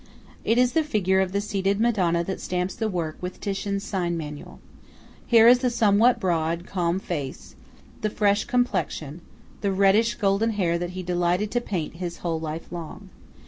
It is the figure of the seated Madonna that stamps the work with Titian's sign manual. Here is the somewhat broad, calm face, the fresh complexion, the reddish golden hair that he delighted to paint his whole life long.